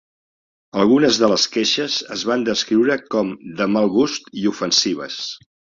Algunes de les queixes es van descriure com "de mal gust i ofensives".